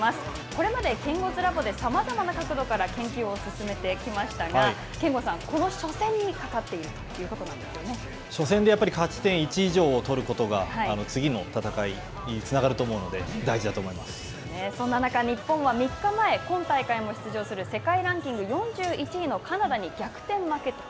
これまでケンゴズラボでさまざまな角度から研究を進めてきましたが、憲剛さん、この初戦にかかっているとい初戦でやっぱり勝ち点１以上を取ることが、次の戦いにつながると思うので、そんな中、日本は３日前、今大会も出場する世界ランキング４１位のカナダに逆転負けと。